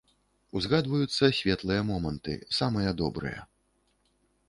Узгадваюцца светлыя моманты, самыя добрыя.